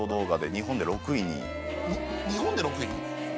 日本で６位？